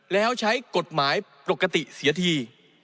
แล้วใช้กฎหมายปกติเสียที